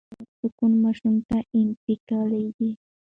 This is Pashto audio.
د مور سکون ماشوم ته انتقالېږي.